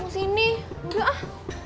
kamu sini udah ah